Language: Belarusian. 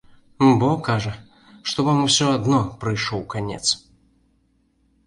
Бо, кажа, што вам усё адно прыйшоў канец.